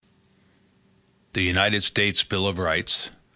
The United States Bill of Rights.